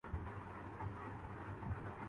وہ فورا مل گیا۔